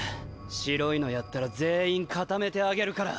白いのやったら全員固めてあげるから。